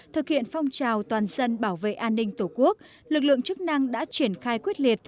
thực hiện phong trào toàn dân bảo vệ an ninh tổ quốc lực lượng chức năng đã triển khai quyết liệt